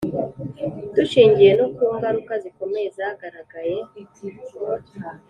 Dushingiye no kungaruka zikomeye zagaragaye